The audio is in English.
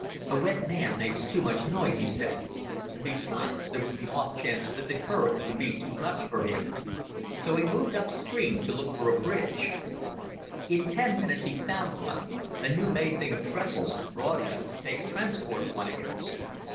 "A wet man makes too much noise," he said, and besides, there was the off chance that the current would be too much for him. So he moved up stream to look for a bridge. In ten minutes he found one, a new made thing of trestles, broad enough to take transport wagons.